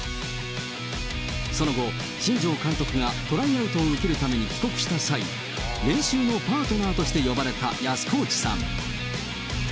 その後、新庄監督がトライアウトを受けるために帰国した際、練習のパートナーとして呼ばれた安河内さん。